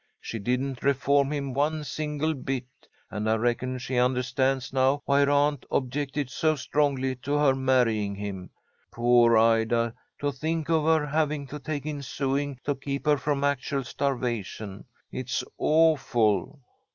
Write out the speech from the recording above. She didn't reform him one single bit, and I reckon she understands now why her aunt objected so strongly to her marrying him. Poor Ida, to think of her having to take in sewing to keep her from actual starvation! It's awful!"